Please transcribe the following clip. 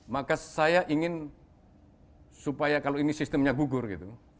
maka saya ingin supaya kalau ini sistemnya gugur gitu